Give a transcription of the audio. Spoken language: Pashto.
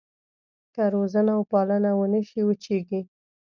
که روزنه وپالنه ونه شي وچېږي.